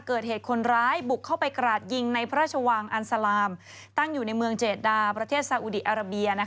เกิดเหตุคนร้ายบุกเข้าไปกราดยิงในพระราชวังอันสลามตั้งอยู่ในเมืองเจดดาประเทศซาอุดีอาราเบีย